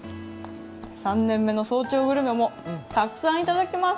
３年目の「早朝グルメ」もたくさんいただきます。